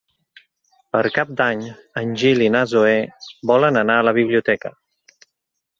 Per Cap d'Any en Gil i na Zoè volen anar a la biblioteca.